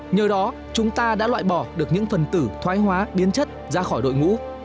nhờ đó chúng ta đã loại bỏ được những phần tử thoái hóa biến chất ra khỏi đội ngũ